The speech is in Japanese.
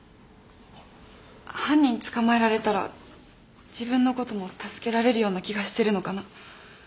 犯人捕まえられたら自分のことも助けられるような気がしてるのかな。